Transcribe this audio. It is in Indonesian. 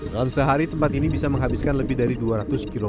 dalam sehari tempat ini bisa menghabiskan lebih dari dua ratus kg